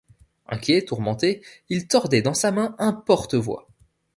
Inquiet, tourmenté, il tordait dans sa main un porte-voix